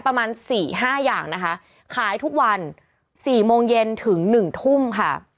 ประมาณสี่ห้าอย่างนะคะขายทุกวัน๔โมงเย็นถึง๑ทุ่มค่ะ